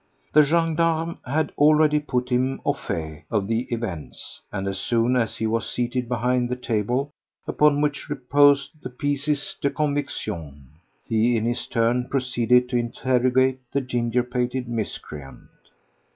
The gendarme had already put him au fait of the events, and as soon as he was seated behind the table upon which reposed the "pièces de conviction," he in his turn proceeded to interrogate the ginger pated miscreant.